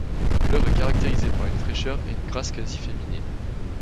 L'œuvre est caractérisée par une fraîcheur et une grâce quasi féminine.